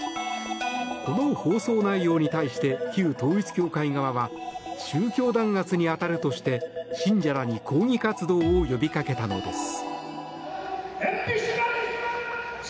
この放送内容に対して旧統一教会側は宗教弾圧に当たるとして信者らに抗議活動を呼びかけたのです。